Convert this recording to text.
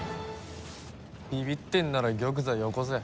ビビってんなら玉座よこせ。